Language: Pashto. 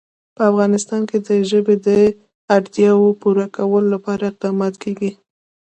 په افغانستان کې د ژبې د اړتیاوو پوره کولو لپاره اقدامات کېږي.